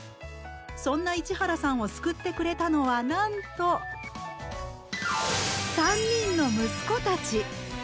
そんな市原さんを救ってくれたのはなんと３人の息子たち！